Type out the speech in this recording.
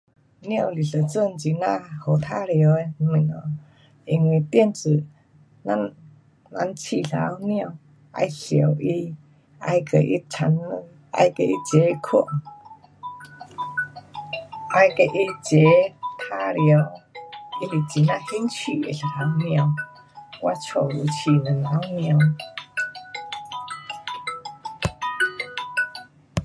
猫是一种很哪好玩耍的东西。因为电子咱人养一头猫，要疼它，要跟它冲凉，要跟它齐睡，要跟它齐玩耍，它是很呀兴趣的一头猫。我家有养两头猫。